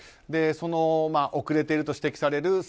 その遅れていると指摘される